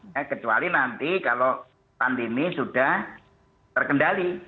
ya kecuali nanti kalau pandemi sudah terkendali